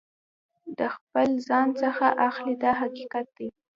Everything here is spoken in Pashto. د خپل ځان څخه اخلي دا حقیقت دی.